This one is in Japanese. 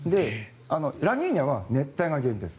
ラニーニャは熱帯が原因です。